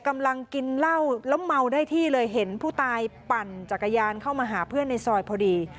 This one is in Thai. กำลังกินเหล้าแล้วเมาได้ที่เลยเห็นผู้ตายปั่นจักรยานเข้ามาหาเพื่อนในซอยพอดี